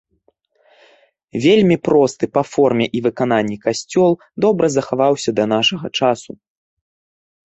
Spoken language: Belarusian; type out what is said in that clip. Вельмі просты па форме і выкананні касцёл добра захаваўся да нашага часу.